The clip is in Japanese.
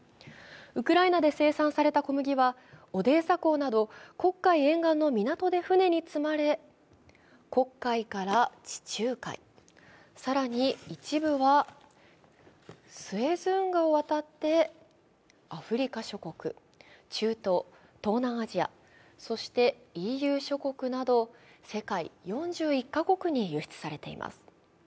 ウクライナで生産された小麦はオデーサ港など黒海沿岸の港で船に積まれ黒海から地中海、更に一部はスエズ運河を渡ってアフリカ諸国、中東、東南アジア、そしてＥＵ諸国など世界４１カ国に輸出されています。